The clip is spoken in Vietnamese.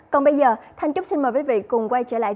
còn bây giờ thanh trúc xin mời quý vị cùng quay trở lại